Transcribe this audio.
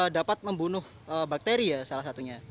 dapat membunuh bakteri ya salah satunya